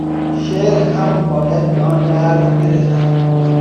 شعر هم باید به آن مرز برسد